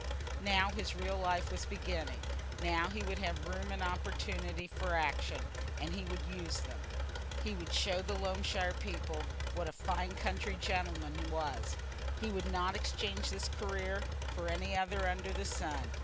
Now his real life was beginning; now he would have room and opportunity for action, and he would use them. He would show the Loamshire people what a fine country gentleman was; he would not exchange that career for any other under the sun.